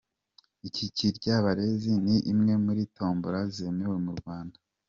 Iki Kiryabarezi ni imwe muri tombola zeweme mu Rwanda.